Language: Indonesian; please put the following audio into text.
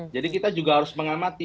jadi kita juga harus mengamati